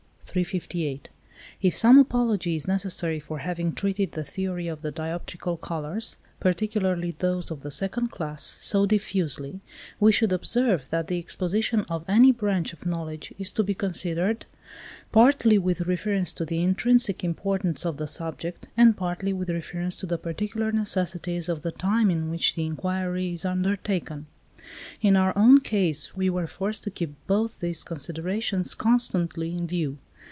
358. If some apology is necessary for having treated the theory of the dioptrical colours, particularly those of the second class, so diffusely, we should observe, that the exposition of any branch of knowledge is to be considered partly with reference to the intrinsic importance of the subject, and partly with reference to the particular necessities of the time in which the inquiry is undertaken. In our own case we were forced to keep both these considerations constantly in view.